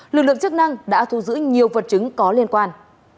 lực lượng chức năng đã thu giữ nhiều vật chứng có liên quan